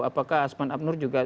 apakah asmar abdul juga